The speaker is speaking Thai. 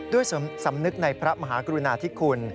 ด้วยสำนึกในพระมหากรุณาธิคุณ